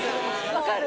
分かる？